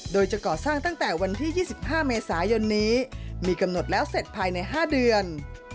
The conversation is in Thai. โดยจะก่อสร้างตั้งแต่วันที่๒๕เมษายนนี้มีกำหนดแล้วเสร็จภายใน๕เดือน